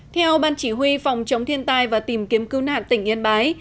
theo ban chỉ huy phòng chống thiên tai và tìm kiếm cứu nạn tỉnh yên bái